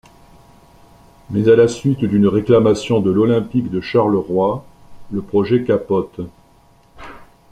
Mais à la suite d'une réclamation de lOlympic de Charleroi, le projet capote.